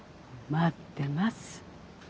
待ってます。